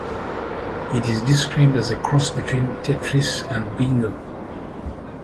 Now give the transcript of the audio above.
It is described as a cross between Tetris and Bingo.